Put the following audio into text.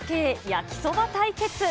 焼きそば対決。